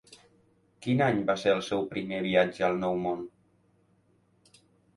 Quin any va ser el seu primer viatge al nou món?